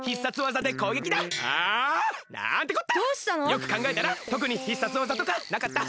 よくかんがえたらとくに必殺技とかなかった。